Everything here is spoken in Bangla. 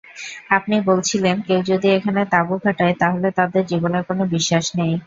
আপনি বলেছিলেন কেউ যদি এখানে তাবু খাটাই তাহলে তাদের জীবনের কোন বিশ্বাস নেই।